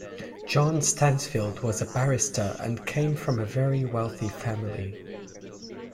John Stansfield was a barrister and came from a very wealthy family.